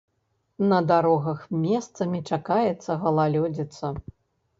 На дарогах месцамі чакаецца галалёдзіца.